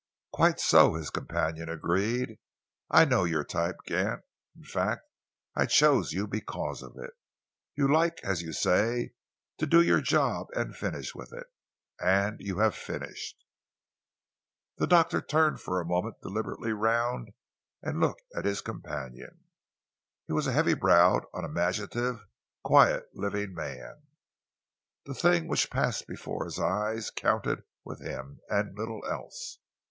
"Quite so," his companion agreed. "I know your type, Gant, in fact, I chose you because of it. You like, as you say, to do your job and finish with it, and you have finished." The doctor turned for a moment deliberately round and looked at his companion. He was a heavy browed, unimaginative, quiet living man. The things which passed before his eyes counted with him, and little else.